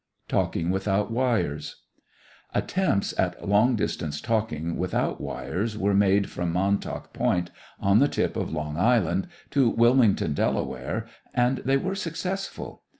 TALKING WITHOUT WIRES Attempts at long distance talking without wires were made from Montauk Point, on the tip of Long Island, to Wilmington, Delaware, and they were successful.